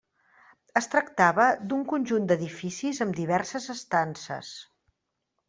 Es tractava d'un conjunt d'edificis amb diverses estances.